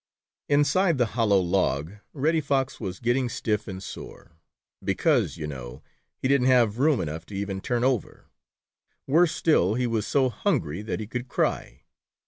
Inside the hollow log Reddy Fox was getting stiff and sore, because, you know, he didn't have room enough to even turn over. Worse still, he was so hungry that he could cry.